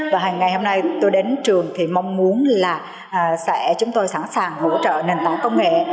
và hàng ngày hôm nay tôi đến trường thì mong muốn là sẽ chúng tôi sẵn sàng hỗ trợ nền tảng công nghệ